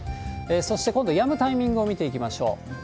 そして今度、やむタイミングを見ていきましょう。